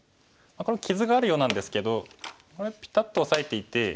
これも傷があるようなんですけどこれはピタッとオサえていて